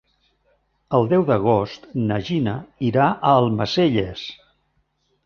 El deu d'agost na Gina irà a Almacelles.